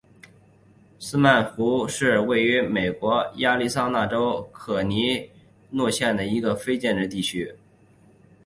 斯通曼湖是位于美国亚利桑那州可可尼诺县的一个非建制地区。